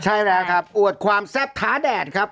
ใช่แล้วครับอวดความแซ่บท้าแดดครับ